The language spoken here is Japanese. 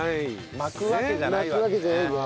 巻くわけじゃないわけね。